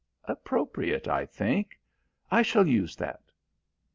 "Appropriate, I think? I shall use that."